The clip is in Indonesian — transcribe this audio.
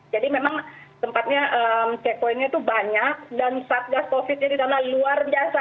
jadi memang tempatnya check point nya itu banyak dan saat gas covid nya di sana luar biasa